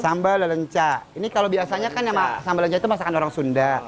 sambal lelenca ini kalau biasanya kan sama sambal lelenca itu masakan orang sunda